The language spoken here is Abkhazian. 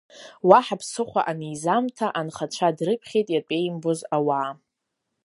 Уаҳа ԥсыхәа анизамҭа, анхацәа дрыԥхьеит иатәеимбоз ауаа.